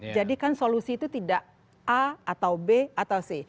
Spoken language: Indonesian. jadi kan solusi itu tidak a atau b atau c